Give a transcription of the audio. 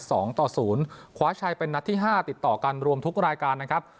สองต่อศูนย์คว้าชัยเป็นนัดที่ห้าติดต่อกันรวมทุกรายการนะครับ